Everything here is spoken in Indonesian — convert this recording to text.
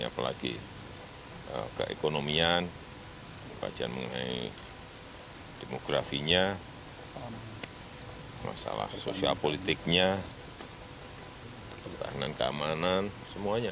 apalagi keekonomian kajian mengenai demografinya masalah sosial politiknya ketahanan keamanan semuanya